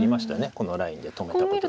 このラインで止めたことで。